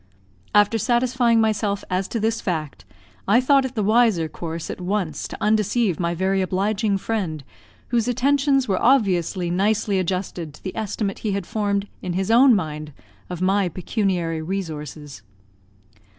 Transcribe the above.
After satisfying myself as to this fact, I thought it the wiser course at once to undeceive my very obliging friend, whose attentions were obviously nicely adjusted to the estimate he had formed in his own mind of my pecuniary resources.